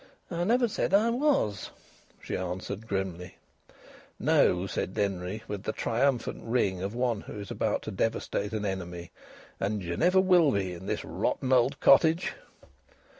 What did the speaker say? "I never said I was," she answered grimly. "No," said Denry, with the triumphant ring of one who is about to devastate an enemy. "And you never will be in this rotten old cottage."